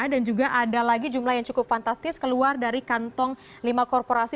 dan juga ada lagi jumlah yang cukup fantastis keluar dari kantong lima korporasi